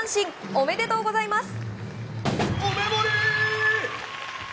おめでとうございます！